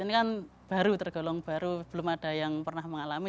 ini kan baru tergolong baru belum ada yang pernah mengalami